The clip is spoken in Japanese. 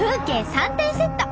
３点セット。